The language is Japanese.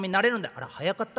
「あら早かった？